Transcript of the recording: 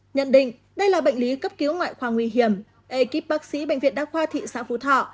nhận định đây là bệnh lý cấp cứu ngoại khoa nguy hiểm ekip bác sĩ bệnh viện đa khoa thị xã phú thọ